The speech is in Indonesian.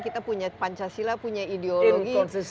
kita punya pancasila punya ideologi